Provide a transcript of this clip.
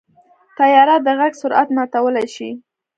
طیاره د غږ سرعت ماتولی شي.